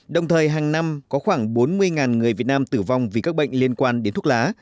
đồng thời hàng năm có khoảng bốn mươi người việt nam tử vong vì các bệnh liên quan đến thuốc lá